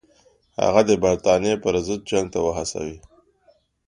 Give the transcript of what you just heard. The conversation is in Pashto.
هغه د برټانیې پر ضد جنګ ته وهڅوي.